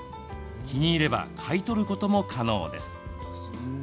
気に入れば買い取ることも可能です。